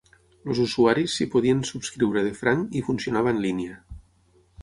Els usuaris s'hi podien subscriure de franc i funcionava en línia.